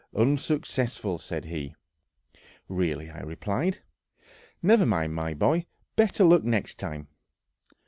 "Unsuccessful!" said he. "Really!" I replied; "never mind, my boy, better luck next time."